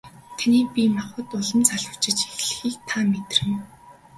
Таны бие махбод улам залуужиж эхлэхийг та мэдэрнэ.